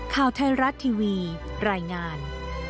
ข่าวไทยรัฐทีวีรายงาน